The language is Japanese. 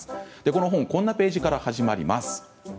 この本はこんなページから始まります。